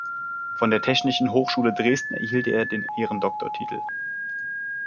Von der Technischen Hochschule Dresden erhielt er den Ehrendoktortitel.